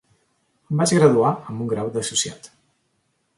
Em vaig graduar amb un grau d'associat.